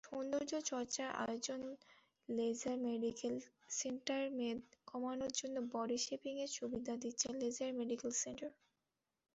সৌন্দর্যচর্চার আয়োজনলেজার মেডিকেল সেন্টারমেদ কমানোর জন্য বডি শেপিংয়ের সুবিধা দিচ্ছে লেজার মেডিকেল সেন্টার।